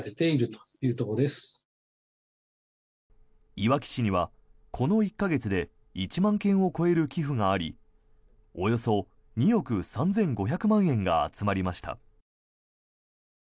いわき市にはこの１か月で１万件を超える寄付がありおよそ２億３５００万円が集まりました。